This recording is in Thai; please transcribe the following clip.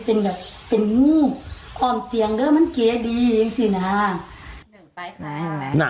เป็นแบบเป็นงูออมเตียงด้วยมันเกลียดีอย่างสิน่ะน่ะ